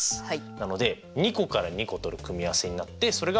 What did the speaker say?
なので２個から２個取る組み合わせになってでそれがＣ。